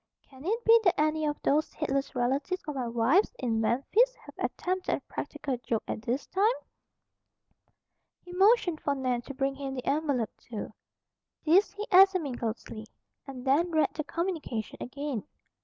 "Can it be that any of those heedless relatives of my wife's in Memphis have attempted a practical joke at this time?" He motioned for Nan to bring him the envelope, too. This he examined closely, and then read the communication again.